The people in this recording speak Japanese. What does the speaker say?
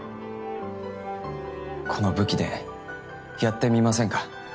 この武器でやってみませんか？